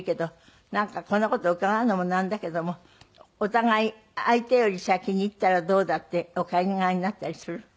なんかこんな事伺うのもなんだけどもお互い相手より先に逝ったらどうだってお考えになったりする？